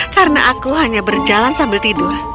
karena aku hanya berjalan sambil tidur